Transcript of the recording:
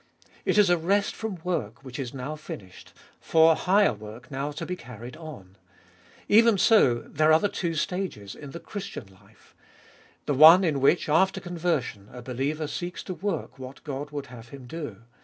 It is a rest from work which is now finished, for higher work now to be carried on. Even so there are the two stages in the Christian life. The one in which, after conversion, a believer seeks to work what God would have him do.